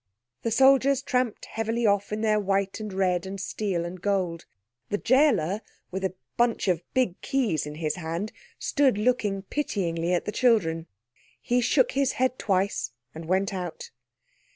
The soldiers tramped heavily off in their white and red and steel and gold. The gaoler, with a bunch of big keys in his hand, stood looking pityingly at the children. He shook his head twice and went out.